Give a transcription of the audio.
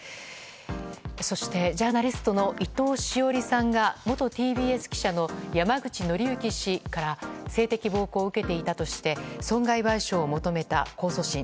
そして、ジャーナリストの伊藤詩織さんが元ＴＢＳ記者の山口敬之氏から性的暴行を受けていたとして損害賠償を求めた控訴審。